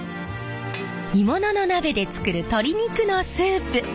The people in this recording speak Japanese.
鋳物の鍋で作る鶏肉のスープ。